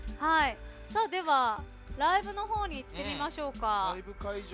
では、ライブの方にいってみましょうか。